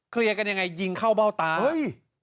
เคลียร์กันยังไงยิงเข้าเบ้าตาเฮ้ย